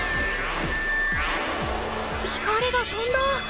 光がとんだ！